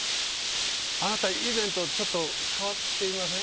あなた以前とちょっと変わっていません？